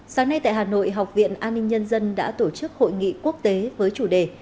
sáng nay tại hà nội học viện an ninh nhân dân đã tổ chức hội nghị quốc tế với chủ đề